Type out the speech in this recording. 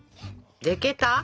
できた？